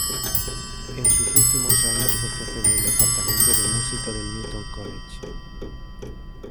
En sus últimos años fue jefe del Departamento de Música del Newton College.